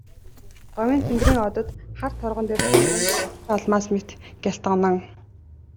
Говийн тэнгэрийн одод хар торгон дээр цацсан очир алмаас мэт гялтганан.